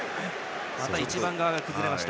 また１番側が崩れました。